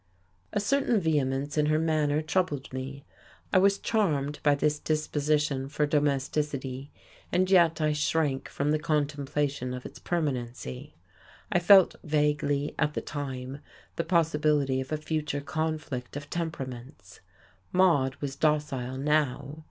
A certain vehemence in her manner troubled me. I was charmed by this disposition for domesticity, and yet I shrank from the contemplation of its permanency. I felt vaguely, at the time, the possibility of a future conflict of temperaments. Maude was docile, now.